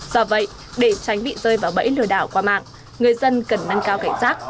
do vậy để tránh bị rơi vào bẫy lừa đảo qua mạng người dân cần nâng cao cảnh giác